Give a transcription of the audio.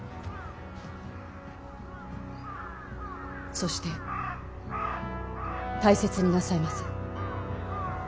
そして大切になさいませ。